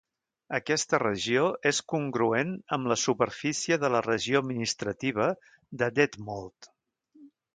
Aquesta regió és congruent amb la superfície de la regió administrativa de Detmold.